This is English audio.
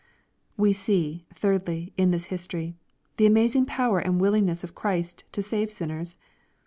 We see, thirdly, in this history, the amazing potoer and willingness of Christ to save sinners.